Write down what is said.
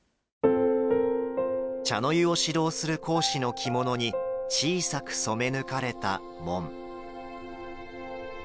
茶の湯を指導する講師の着物に小さく染め抜かれた紋。